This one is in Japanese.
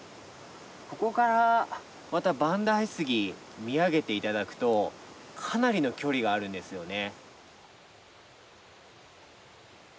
ここからまた万代杉見上げて頂くとかなりの距離があるんですよね。